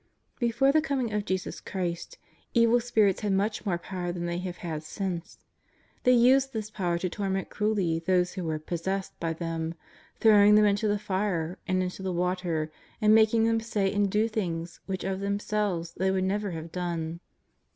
10 172 JESUS OF NAZARETH. Before the coming of Jesus Christ, evil spirits had much more power than they have had since. They used this power to torment cruelly those who were " pos sessed " by them, throwing them into tlie fire and into the water, and making them say and do things w^hich of themselves they would never have done.